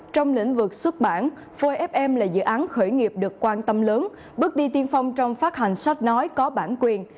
trong lĩnh vực xuất bản foefm là dự án khởi nghiệp được quan tâm lớn bước đi tiên phong trong phát hành sách nói có bản quyền